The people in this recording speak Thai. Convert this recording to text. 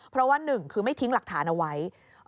เพราะว่าหนึ่งคือไม่ทิ้งหลักฐานเอาไว้